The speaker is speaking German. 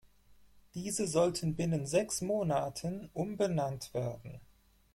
Diese sollten binnen sechs Monaten umbenannt werden.